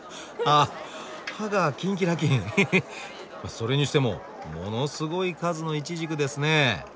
それにしてもものすごい数のイチジクですね。